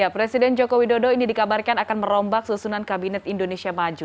presiden joko widodo ini dikabarkan akan merombak susunan kabinet indonesia maju